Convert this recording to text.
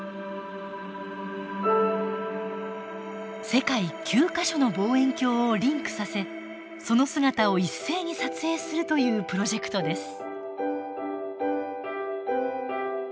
世界９か所の望遠鏡をリンクさせその姿を一斉に撮影するというプロジェクトです。